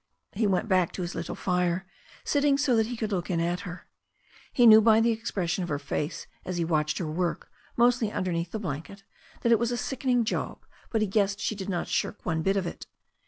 He went back to his little fire, sitting so that he could look in at her. He knew by the expression of her face as he watched her work, mostly underneath the blanket, that it was a sickening job, but he guessed she did not shirk one bit of it.